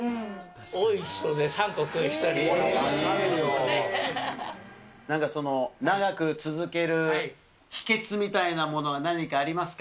多い人で３個という人がいまなんかその、長く続ける秘けつみたいなものは、何かありますか？